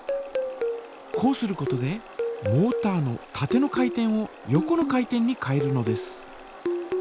こうすることでモータのたての回転を横の回転に変えるのです。